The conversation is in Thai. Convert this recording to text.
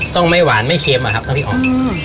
ต้องไม่หวานไม่เค็มนะครับน้ำพริกอ่อน